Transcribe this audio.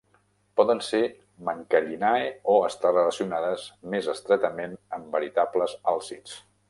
Poden ser "mancallinae", o estar relacionades més estretament amb veritables àlcids.